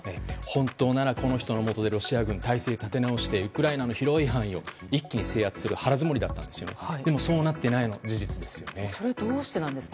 本当ならこの人のもとでロシア軍は態勢を立て直してウクライナの広い範囲を一気に制圧する腹づもりだったんです。